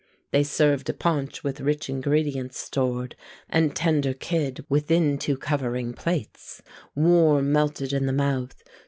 They served a paunch with rich ingredients stored; And tender kid, within two covering plates, Warm melted in the mouth.